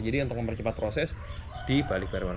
jadi untuk mempercepat proses dibalik barengan